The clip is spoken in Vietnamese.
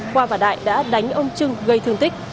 khoa và đại đã đánh ông trưng gây thương tích